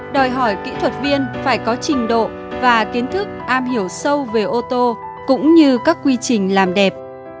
đòi hỏi kỹ thuật viên phải có trình độ và kiến thức am hiểu sâu về ô tô cũng như các quy trình làm đẹp